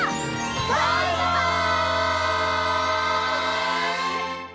バイバイ！